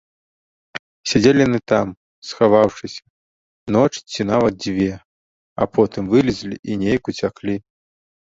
Сядзелі яны там, схаваўшыся, ноч ці нават дзве, а потым вылезлі і неяк уцяклі.